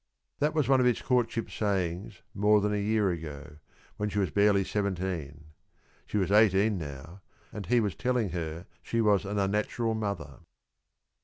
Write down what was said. That was one of his courtship sayings, more than a year ago, when she was barely seventeen. She was eighteen now, and he was telling her she was an unnatural mother.